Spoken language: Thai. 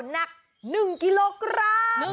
กะเพราหนัก๑กิโลกรัม